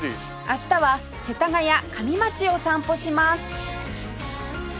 明日は世田谷上町を散歩します